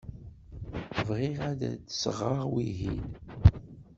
Bɣiɣ ad d-sɣeɣ wihin.